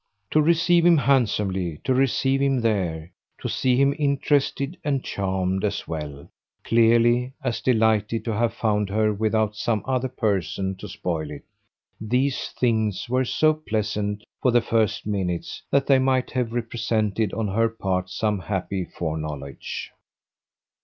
To receive him handsomely, to receive him there, to see him interested and charmed, as well, clearly, as delighted to have found her without some other person to spoil it these things were so pleasant for the first minutes that they might have represented on her part some happy foreknowledge.